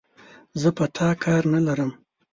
زه په تا کار نه لرم،